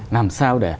làm sao để